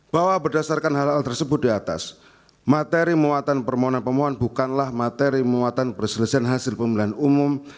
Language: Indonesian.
bahwa berdasarkan hal hal tersebut di atas materi muatan permohonan pemohon bukanlah materi muatan perselesaian hasil pemilihan umum